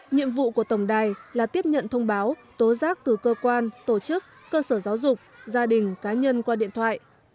nhiệm vụ của tổng đài là tiếp nhận thông báo tố giác từ cơ quan tổ chức cơ sở giáo dục gia đình cá nhân qua điện thoại